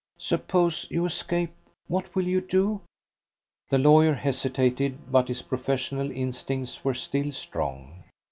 Suppose you escape, what will you do?" The lawyer hesitated, but his professional instincts were still strong.